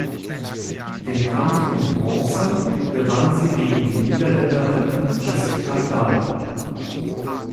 Den Kampf um Bronze gewann sie gegen die Niederländerin Jessica Gal.